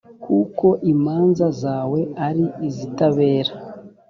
kuko imanza zawe ari izitabera